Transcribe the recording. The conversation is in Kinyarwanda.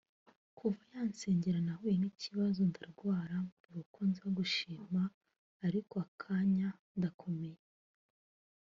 Kuva yansengera nahuye n’ikibazo ndarwara mbura uko nza gushima ariko akanya ndakabonye